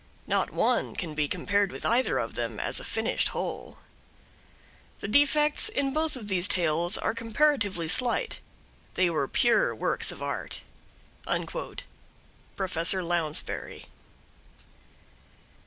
Not one can be compared with either of them as a finished whole. The defects in both of these tales are comparatively slight. They were pure works of art. Prof. Lounsbury.